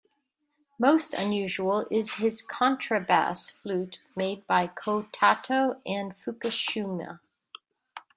Most unusual is his contrabass flute made by Kotato and Fukushima.